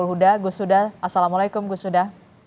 mas hulhuda gus huda assalamualaikum gus huda